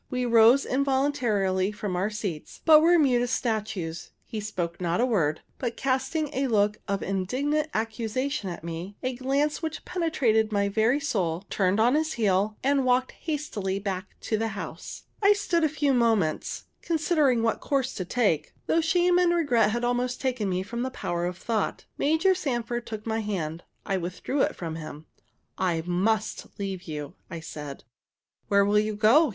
We rose involuntarily from our seats, but were mute as statues. He spoke not a word, but casting a look of indignant accusation at me, a glance which penetrated my very soul, turned on his heel, and walked hastily back to the house. I stood a few moments, considering what course to take, though shame and regret had almost taken from me the power of thought. Major Sanford took my hand. I withdrew it from him. "I must leave you," said I. "Where will you go?"